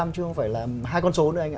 chứ không phải là hai con số nữa anh ạ